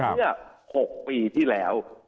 เมื่อ๖ปีที่แล้ว